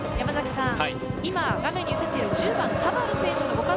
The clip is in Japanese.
今、画面に映っている１０番の田原選手のご家族。